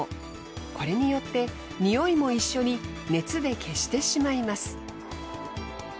これによって臭いも一緒に熱で消してしまいます。